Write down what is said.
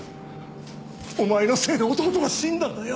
お前のせいで弟は死んだんだよ。